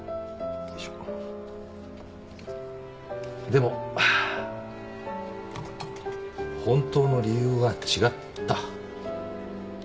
でも本当の理由は違った。